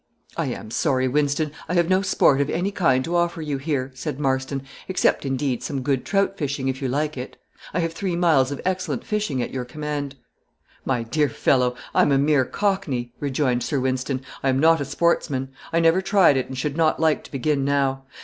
"I am sorry, Wynston, I have no sport of any kind to offer you here," said Marston, "except, indeed, some good trout fishing, if you like it. I have three miles of excellent fishing at your command." "My dear fellow, I am a mere cockney," rejoined Sir Wynston; "I am not a sportsman; I never tried it, and should not like to begin now.